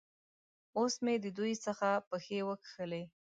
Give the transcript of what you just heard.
اوس مې د دوی څخه پښې وکښلې.